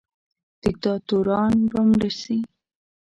دیکتاتوران به مړه سي.